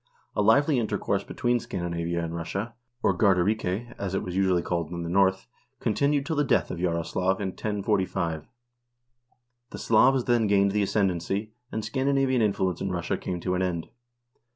A lively inter course between Scandinavia and Russia, or Gardarike, as it was usually called in the North, continued till the death of Jaroslaf in 1045. The Slavs then gained the ascendancy, and Scandinavian influence in Russia came to an end.